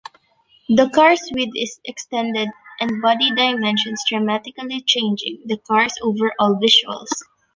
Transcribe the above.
The car's width is extended and body dimensions dramatically changing the car's overall visuals.